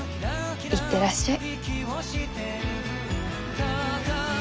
行ってらっしゃい。